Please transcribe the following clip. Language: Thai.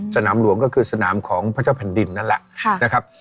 สนามหลวงก็คือสนามของพระเจ้าแผ่นดินนั่นแหละนะครับ